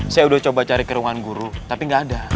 saya udah coba cari kerungan guru tapi gak ada